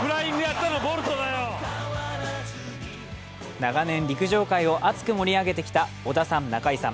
長年陸上界を熱く盛り上げてきた織田さん、中井さん。